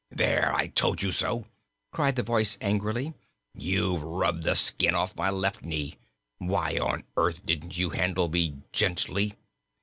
"There! I told you so!" cried the voice angrily. "You've rubbed the skin off my left knee. Why on earth didn't you handle me gently?"